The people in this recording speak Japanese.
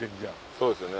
そうですよね。